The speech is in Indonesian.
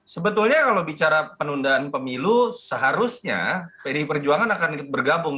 sebetulnya kalau bicara penundaan pemilu seharusnya perjuangan akan bergabung